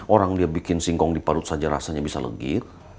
orang dia bikin singkong diparut saja rasanya bisa legit